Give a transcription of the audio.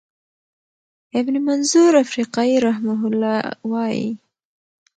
ابن منظور افریقایی رحمه الله وایی،